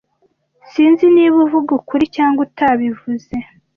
Sinzi niba uvuga ukuri cyangwa utabivuze.